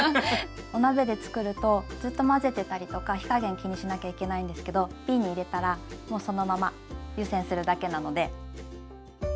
お鍋で作るとずっと混ぜてたりとか火加減気にしなきゃいけないんですけどびんに入れたらもうそのまま湯煎するだけなので。